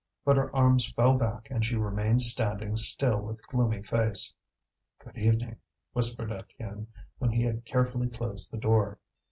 But her arms fell back and she remained standing still with gloomy face. "Good evening," whispered Étienne, when he had carefully closed the door.